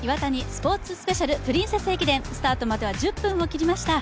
Ｉｗａｔａｎｉスポーツスペシャル・プリンセス駅伝、スタートまでは１０分を切りました。